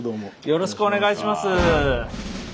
よろしくお願いします。